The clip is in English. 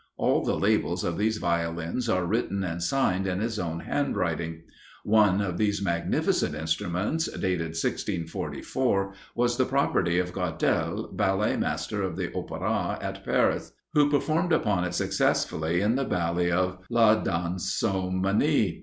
All the labels of these Violins are written and signed in his own handwriting. One of these magnificent instruments, dated 1644, was the property of Gardel, ballet master of the Opera at Paris, who performed upon it successfully in the ballet of "La Dansomanie."